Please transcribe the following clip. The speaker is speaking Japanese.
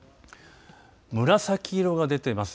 紫色が出ています。